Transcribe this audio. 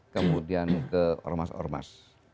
kemudian ke ormas ormas